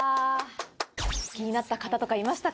気になった方とかいましたか？